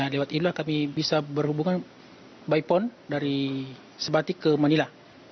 lewat inilah kami bisa berhubungan by pond dari sebatik ke manila